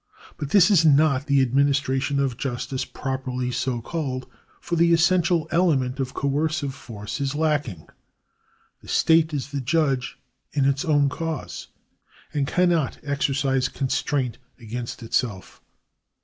But this is not the administration of justice properly so called, for the essential element of coercive force is lacking. The state is the judge in its own cause, and cannot exercise constraint against itself.